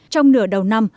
trong nửa đầu năm